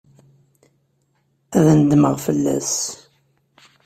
Ad nedmeɣ fell-as.